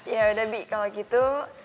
yaudah bibi kalau gitu